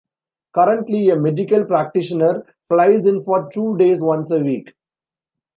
Currently a medical practitioner flies in for two days once a week.